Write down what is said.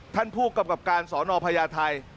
ท่านผู้กำกับการสอนอพญาไทย